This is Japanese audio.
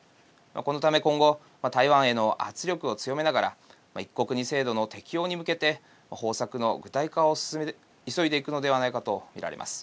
このため今後台湾への圧力を強めながら一国二制度の適用に向けて方策の具体化を急いでいくのではないかと見られます。